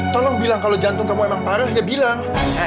tolong bilang kalau jantung kamu emang parah dia bilang